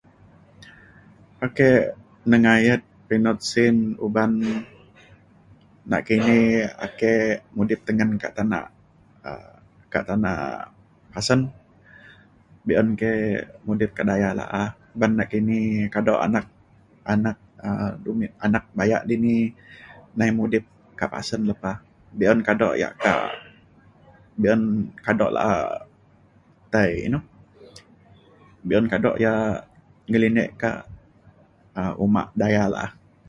Ake nengayet mino sin uban na'ke ne ake mudip tengen ka tanak um ka tanak pasen beun ke udip ka daya laah ban na'ke ne kadu' anak anak um anak lumit bayak dini nai mudip ka pasen lepa beun kadu' ya ka beun kadu' laah tai inu beun kadu' ya ngelinek ka uma' daya laah.